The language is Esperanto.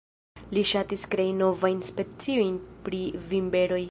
Li ŝatis krei novajn speciojn pri vinberoj.